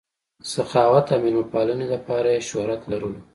سخاوت او مېلمه پالنې دپاره ئې شهرت لرلو